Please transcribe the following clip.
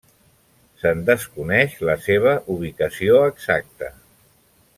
Se'n desconeix la seva ubicació exacta.